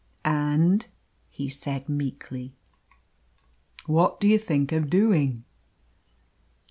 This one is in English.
"And," he said meekly, "what do you think of doing?"